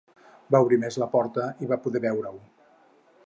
Va obrir més la porta i va poder veure-ho.